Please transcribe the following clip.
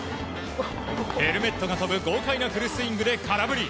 ヘルメットが飛ぶ豪快なフルスイングで空振り。